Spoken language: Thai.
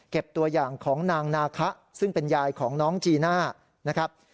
ตัวอย่างของนางนาคะซึ่งเป็นยายของน้องจีน่านะครับ